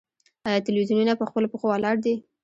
آیا تلویزیونونه په خپلو پښو ولاړ دي؟